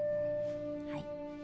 はい。